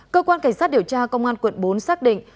cơ quan cảnh sát điều tra công an quận bốn xác định